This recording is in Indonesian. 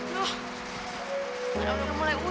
mana udah mulai hujan lagi